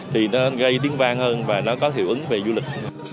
thì nó gây tiếng vang hơn và nó có hiệu ứng về du lịch